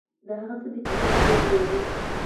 دا هغه څه دي چې ما ډېر وېروي .